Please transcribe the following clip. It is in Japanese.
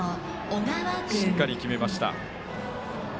しっかり決めました。